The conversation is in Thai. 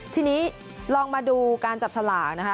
ทีนี้ลองมาดูการจับสลากนะคะ